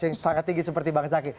yang sangat tinggi seperti bang zaky